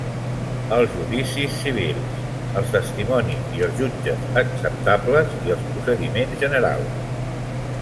Els judicis civils: els testimonis i els jutges acceptables i els procediments generals.